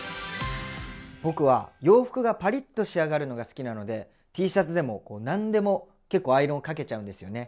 僕は洋服がパリッと仕上がるのが好きなのでＴシャツでも何でも結構アイロンかけちゃうんですよね。